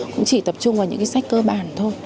cũng chỉ tập trung vào những cái sách cơ bản thôi